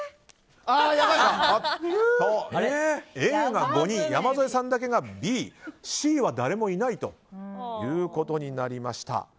Ａが５人、山添さんだけがＢＣは誰もいないということになりました。